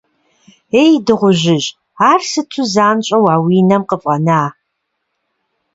Ей, дыгъужьыжь, ар сыту занщӏэу а уи нам къыфӏэна?